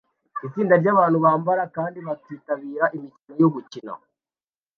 Itsinda ryabantu bambara kandi bakitabira imikino yo gukina